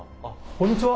こんにちは！